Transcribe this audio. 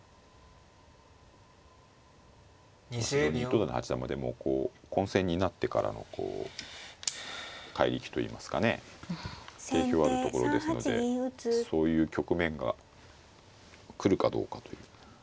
糸谷八段もでもこう混戦になってからの怪力といいますかね定評あるところですのでそういう局面が来るかどうかという。